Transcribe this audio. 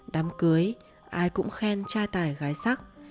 đám cưới ai cũng khen trai tài gái sắc